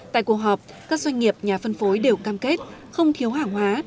tại cuộc họp các doanh nghiệp nhà phân phối đều cam kết không thiếu hàng hóa